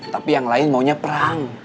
tapi yang lain maunya perang